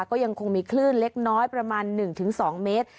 ก็ยังคงมีคลื่นเล็กน้อยประมาณหนึ่งถึงสองเมตร